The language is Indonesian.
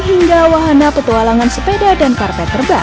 hingga wahana petualangan sepeda dan karpet terbang